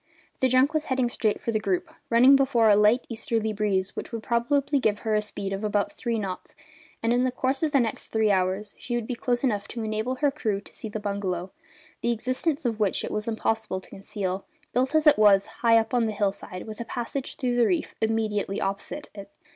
The junk was heading straight for the group, running before a light easterly breeze which would probably give her a speed of about three knots, and in the course of the next three hours she would be close enough to enable her crew to see the bungalow, the existence of which it was impossible to conceal, built as it was high up on the hill side with a passage through the reef immediately opposite it.